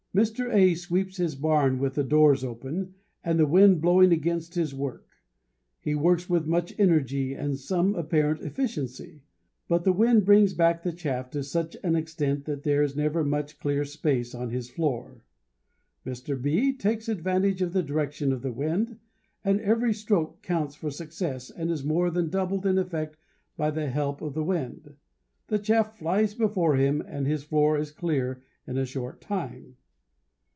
Mr. A sweeps his barn with the doors open and the wind blowing against his work. He works with much energy and some apparent efficiency; but the wind brings back the chaff to such an extent that there is never much clear space on his floor. Mr. B takes advantage of the direction of the wind, and every stroke counts for success and is more than doubled in effect by the help of the wind. The chaff flies before him and his floor is clear in a short time.